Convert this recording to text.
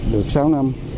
được sáu năm